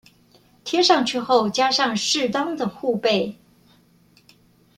貼上去後加上適當的護貝